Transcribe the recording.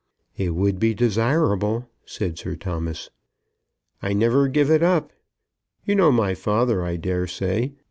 "It would be desirable," said Sir Thomas. "I never give it up. You know my father, I dare say.